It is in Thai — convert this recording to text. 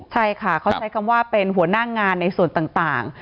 ใช่ค่ะเขาใช้คำว่าเป็นหัวหน้างานในส่วนต่าง